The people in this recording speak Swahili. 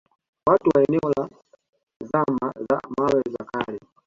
Watu wa eneo la zama za mawe za kale